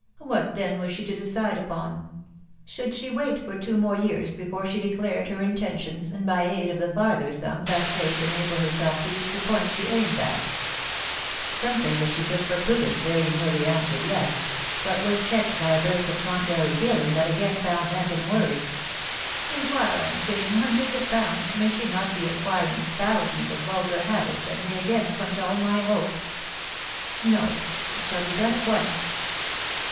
" "What then was she to decide upon ? Should she wait for two more years before she de clared her intentions, and by aid of the farther sum thus saved enable herself to reach the point she aimed at ?" Something that she took for prudence very nearly answered " yes," but was checked by a burst of contrary feeling that again found vent in words, —"And while I am saving hundreds of pounds, may she not be acquiring thousands of vulgar habits that may again quench all my hopes ?.... No ; it shall be done at once."